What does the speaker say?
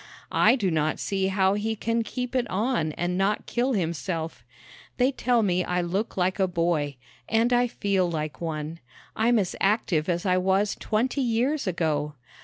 I do not see how he can keep it on and not kill himself. They tell me I look like a boy and I feel like one. I'm as active as I was twenty years ago.